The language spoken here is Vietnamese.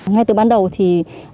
ngay từ ban đầu thì